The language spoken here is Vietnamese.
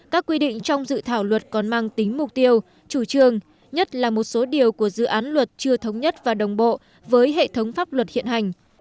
các quy định trong dự thảo luật còn mang tính mục tiêu chủ trương nhất là một số điều của dự án luật chưa thống nhất và đồng bộ với hệ thống pháp luật hiện hành